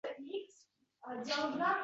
Bizda ayol kim?